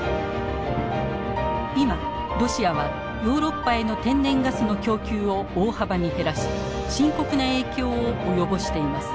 今ロシアはヨーロッパへの天然ガスの供給を大幅に減らし深刻な影響を及ぼしています。